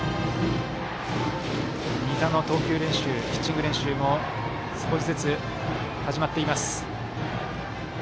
仁田のピッチング練習も少しずつ始まっています。